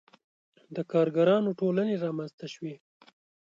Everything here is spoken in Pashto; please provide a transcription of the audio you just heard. • د کارګرانو ټولنې رامنځته شوې.